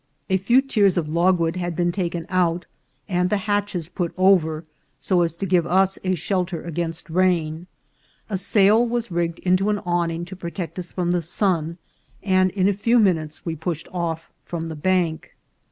A few tiers of logwood had been taken out, and the hatches put over so as to give us a shelter against rain ; a sail was rigged into an awning to pro tect us from the sun, and in a few minutes we pushed off from the bank.